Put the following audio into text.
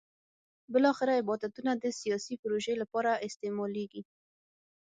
بالاخره عبادتونه د سیاسي پروژې لپاره استعمالېږي.